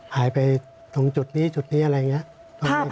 หายไปตรงจุดนี้จุดนี้อะไรอย่างนี้